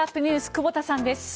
久保田さんです。